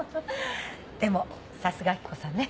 でもさすが明子さんね。